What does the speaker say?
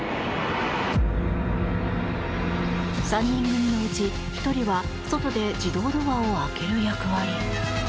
３人組のうち１人は外で自動ドアを開ける役割。